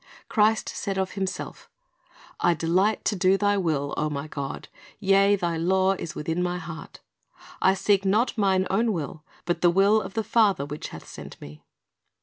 Christ said of Himself, "I delight to do Thy will, O My God; yea. Thy law is within My heart." "I seek not Mine own will, but the will of the Father which hath sent Me."'